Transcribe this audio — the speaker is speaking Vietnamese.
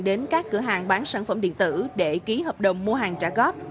đến các cửa hàng bán sản phẩm điện tử để ký hợp đồng mua hàng trả góp